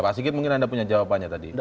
pak sigit mungkin anda punya jawabannya tadi